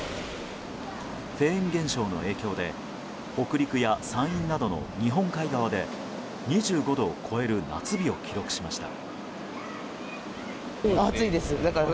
フェーン現象の影響で北陸や山陰などの日本海側で２５度を超える夏日を記録しました。